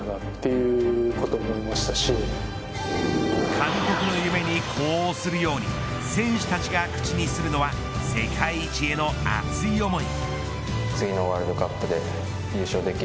監督の夢に呼応するように選手たちが口にするのは世界一への熱い思い。